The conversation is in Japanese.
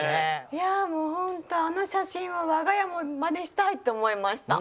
いやもうホントあの写真はわがやもまねしたいと思いました。